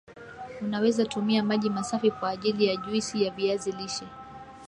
unaweza tumia maji masafi kwa ajili ya juisi ya viazi lishe